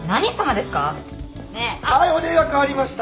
はいお電話代わりました